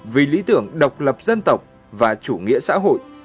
vì lý tưởng độc lập dân tộc và chủ nghĩa xã hội